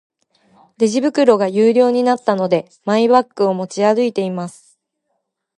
レジ袋が有料になったので、マイバッグを持ち歩いています。